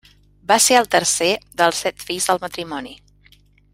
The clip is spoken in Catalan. Va ser el tercer dels set fills del matrimoni.